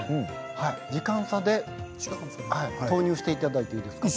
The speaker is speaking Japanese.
時間差で投入していただいていいですか？